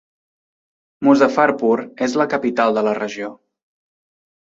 Muzaffarpur és la capital de la regió.